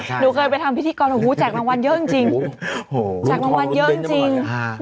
หนูเคยไปทำพิธีกรโอ้โหแจกรางวัลเยอะจริงแจกรางวัลเยอะจริง